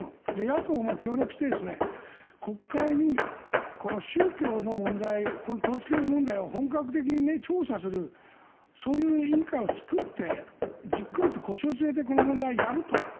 野党も協力して国会にこの宗教の問題統一教会問題を本格的に調査するそういう委員会を作ってじっくりと腰を据えてこの問題、やると。